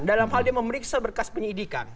dalam hal dia memeriksa berkas penyidikan